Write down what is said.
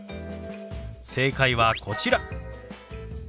正解はこちら。